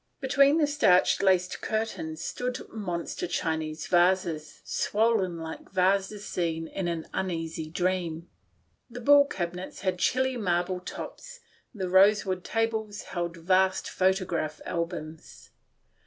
Between the starched lace curtains stood monster Chinese vases, swollen like vases seen in an uneasy dream. The buhl cabinets had chilly marble tops; the rosewood tables held vast photo graph albums.